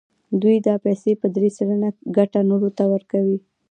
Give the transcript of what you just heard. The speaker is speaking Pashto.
دوی دا پیسې په درې سلنه ګټه نورو ته ورکوي